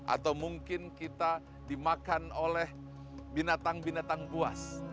atau mungkin kita dimakan oleh binatang binatang buas